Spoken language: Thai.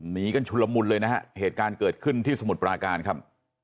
หนีกันชุนละมุนเลยนะฮะเหตุการณ์เกิดขึ้นที่สมุทรปราการครับ